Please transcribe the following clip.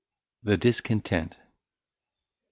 The Discontent. I.